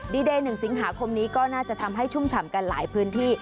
ดีเดย์๑สิงหาคมนี้ก็น่าจะทำให้ชุ่มฉ่ำกันหลายพื้นที่